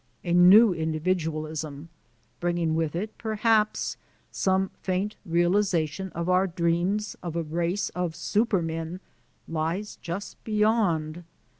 A new individualism, bringing with it, perhaps, some faint realization of our dreams of a race of Supermen, lies just beyond!